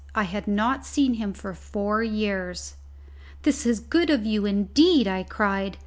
I had not seen him for four years. "This is good of you, indeed!" I cried.